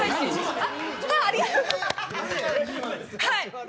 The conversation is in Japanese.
はい！